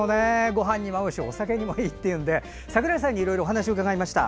ごはんにも合うしお酒にもいいっていうので櫻井さんにお話を伺いました。